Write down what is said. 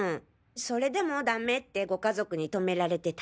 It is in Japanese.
それでもダメってご家族に止められてた。